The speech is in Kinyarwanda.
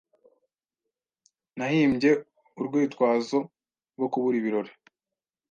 Nahimbye urwitwazo rwo kubura ibirori.